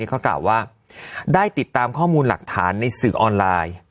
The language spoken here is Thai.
เขากล่าวว่าได้ติดตามข้อมูลหลักฐานในสื่อออนไลน์